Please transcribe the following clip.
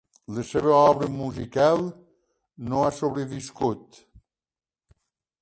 La seva obra musical no ha sobreviscut.